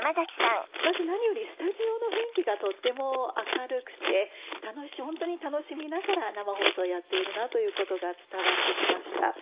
まず何よりスタジオの雰囲気がとっても明るくてホントに楽しみながら生放送をやっているなということが伝わって来ました。